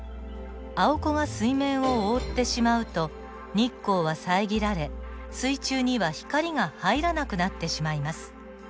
アオコが水面を覆ってしまうと日光は遮られ水中には光が入らなくなってしまいます。